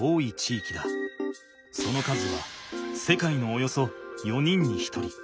その数は世界のおよそ４人に１人。